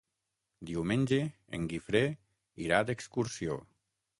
Diumenge en Guifré irà d'excursió.